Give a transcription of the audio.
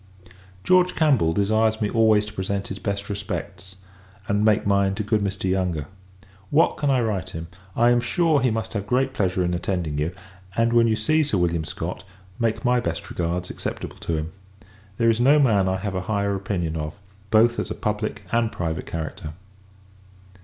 George Campbell desires me always to present his best respects; and make mine to good Mr. Yonge. What can I write him? I am sure, he must have great pleasure in attending you: and, when you see Sir William Scott, make my best regards acceptable to him. There is no man I have a higher opinion of, both as a public and private character.